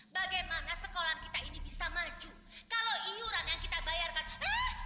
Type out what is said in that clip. bagaimana sekolah kita ini bisa maju kalau iuran yang kita bayarkan